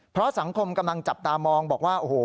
เพราะสังคมกำลังจับตามองบอกว่าโอ้โห